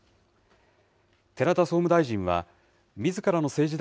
寺田総務大臣は、みずからの政治